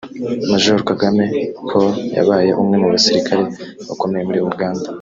Major Kagame Paul yabaye umwe mu basirikare bakomeye muri Uganda